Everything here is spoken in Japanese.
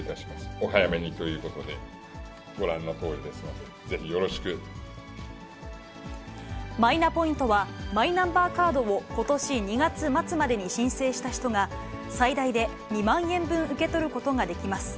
お早めにということで、ご覧のとマイナポイントは、マイナンバーカードをことし２月末までに申請した人が、最大で２万円分受け取ることができます。